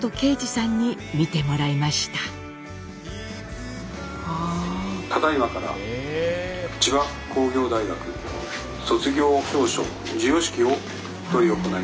「ただいまから千葉工業大学卒業証書授与式を執り行います」。